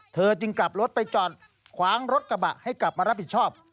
เธอจึงกลับรถไปจอดขวางรถกระบะให้กลับมารับผิดชอบ